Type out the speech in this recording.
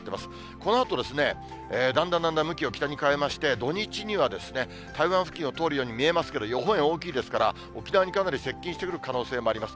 このあと、だんだんだんだん向きを北に変えまして、土日には台湾付近を通るように見えますけど、予報円が大きいですから、沖縄にかなり接近してくる可能性があります。